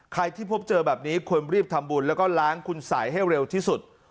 ใครที่พบเจอแบบนี้ควรรีบทำบุญแล้วก็ล้างคุณสายให้เร็วที่สุด